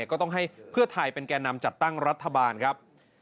ก็ต้องให้เพื่อไทยเป็นแก่นำจัดตั้งรัฐบาลครับ